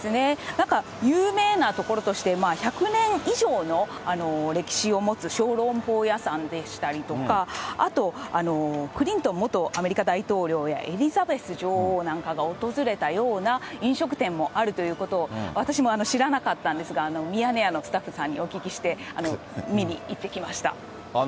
なんか有名な所として、１００年以上の歴史を持つ小籠包屋さんでしたりとか、あと、クリントン元アメリカ大統領やエリザベス女王なんかが訪れたような飲食店もあるということを、私も知らなかったんですが、ミヤネ屋のスタッフさんにお聞きして、見に行ってきました。